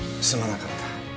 すまなかった。